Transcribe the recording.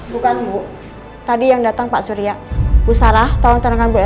bukan bu tadi yang datang pak surya bu sarah tolong tenangkan bu ya